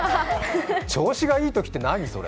調子がいいときって何それ？